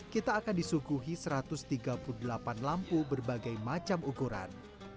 kita akan disukuhi satu ratus tiga puluh delapan lampu berbagai macam ukuran